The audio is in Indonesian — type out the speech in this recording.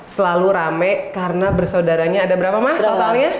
selalu rame karena bersaudaranya ada berapa mas totalnya